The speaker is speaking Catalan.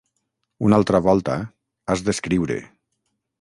Una altra volta, has d'escriure.